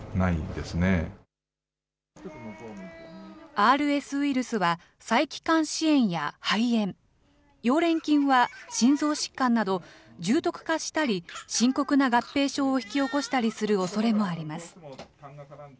ＲＳウイルスは細気管支炎や肺炎、溶連菌は心臓疾患など重篤化したり、深刻な合併症を引き起こしたりするおそれもあります。